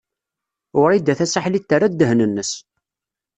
Wrida Tasaḥlit terra ddehn-nnes.